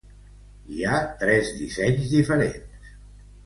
Hi ha tres dissenys diferents.